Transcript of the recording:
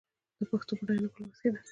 د پښتو بډاینه په لوست کې ده.